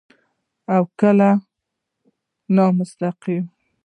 او کله يې نامستقيم